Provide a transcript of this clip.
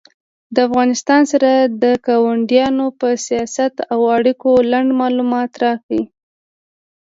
د افغانستان سره د کاونډیانو په سیاست او اړیکو لنډ معلومات راکړه